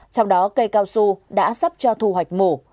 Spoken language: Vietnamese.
trong đó cây cao su đã sắp cho thu hoạch mổ